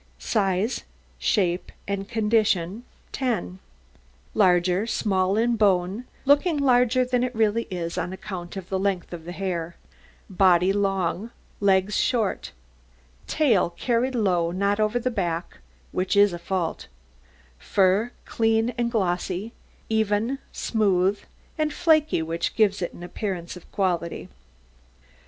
SIZE, SHAPE, AND CONDITION 10 Large, small in bone, looking larger than it really is on account of the length of the hair; body long; legs short; tail carried low, not over the back, which is a fault; fur clean and glossy, even, smooth, and flakey, which gives an appearance of quality.